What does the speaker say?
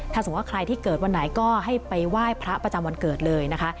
ถ้าสมมุติว่าใครที่เกิดวันไหนก็ให้ไปไหว้พระประจำวันเกิดเลยนะคะ